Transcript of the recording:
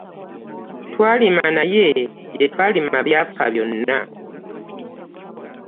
Twalima naye bye twalima byafa byonna.